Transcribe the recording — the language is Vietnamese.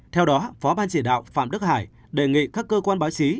theo đó phó ban chỉ đạo phạm đức hải đề nghị các cơ quan báo chí